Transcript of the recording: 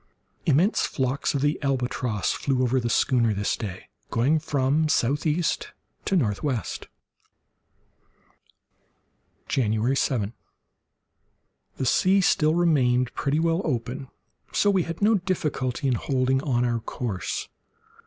Immense flocks of the albatross flew over the schooner this day, going from southeast to northwest. January 7.—The sea still remained pretty well open, so that we had no difficulty in holding on our course.